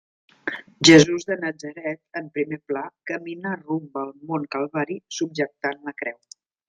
Jesús de Natzaret, en primer pla, camina rumb al Mont Calvari subjectant la creu.